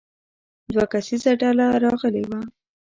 دوه کسیزه ډله راغلې وه.